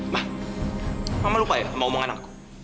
ma mama lupa ya sama omongan aku